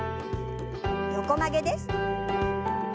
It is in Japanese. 横曲げです。